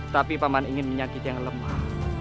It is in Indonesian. tapi paman ingin menyakiti yang lemah